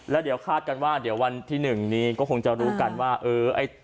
แล้วเดี๋ยวคาดกันว่าเดี๋ยววันที่๑นี้ก็คงจะรู้กันว่าเออ